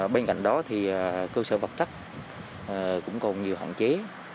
bên cạnh đó thì cơ sở vật chất cũng còn nhiều hạn chế